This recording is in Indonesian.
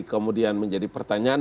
kemudian menjadi pertanyaan